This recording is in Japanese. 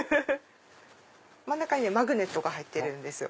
真ん中にマグネットが入ってるんですよ。